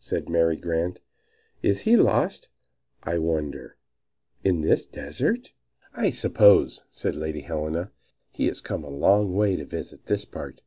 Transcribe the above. said Mary Grant. "Is he lost, I wonder, in this desert?" "I suppose," said Lady Helena, "he has come a long way to visit this part.